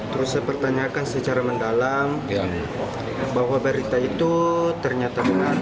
terus saya pertanyakan secara mendalam bahwa berita itu ternyata benar